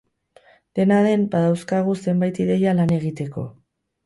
Dena den, badauzkagu zenbait ideia lan egiteko.